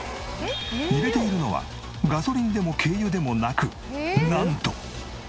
入れているのはガソリンでも軽油でもなくなんと。